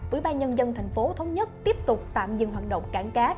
ủy ban nhân dân thành phố thống nhất tiếp tục tạm dừng hoạt động cảng cá